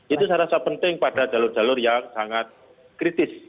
itu saya rasa penting pada jalur jalur yang sangat kritis